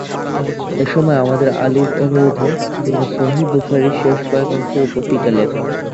এসময় আহমেদ আলির অনুরোধে তিনি সহিহ বুখারীর শেষ কয়েক অংশের উপর টীকা লেখেন।